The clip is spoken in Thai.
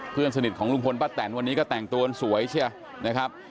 เพื่อนสนิทของลุงพลป้าแต่ญวันนี้ก็แต่งตัวนศวยจะ